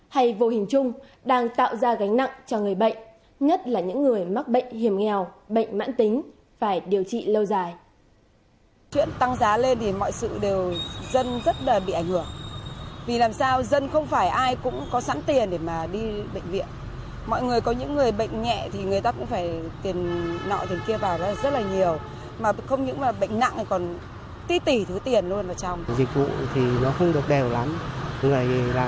hay vô hình chung đang tạo ra gánh nặng cho người bệnh nhất là những người mắc bệnh hiểm nghèo bệnh mãn tính phải điều trị lâu dài